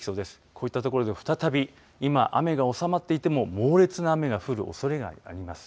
こういった所では再び今は雨が収まっていても猛烈な雨が降るおそれがあります。